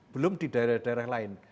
belum di daerah daerah lain